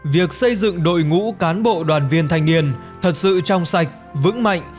việc xây dựng đội ngũ cán bộ đoàn viên thanh niên thật sự trong sạch vững mạnh